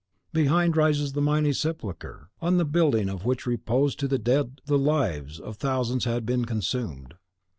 Behind rises the mighty sepulchre, on the building of which repose to the dead the lives of thousands had been consumed.